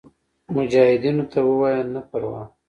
مجاهدینو ته ووایه نه پروا.